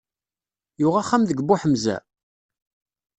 Yuɣ axxam deg Buḥemza?